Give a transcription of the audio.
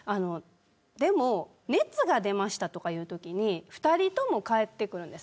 でも熱が出ましたとかいうときに２人とも帰ってくるんです。